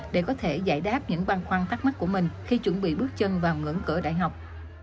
để có thể giải đáp những băn khoăn thắc mắc của mình khi chuẩn bị bước chân vào ngưỡng cửa đại học